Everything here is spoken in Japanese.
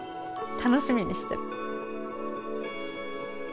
楽しみにしてる。